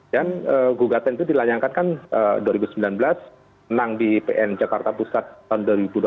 dan gugatan itu dilayangkan kan dua ribu sembilan belas menang di pn jakarta pusat tahun dua ribu dua puluh satu